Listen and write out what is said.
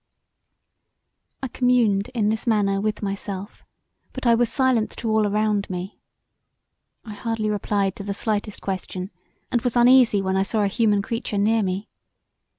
I communed in this manner with myself, but I was silent to all around me. I hardly replied to the slightest question, and was uneasy when I saw a human creature near me.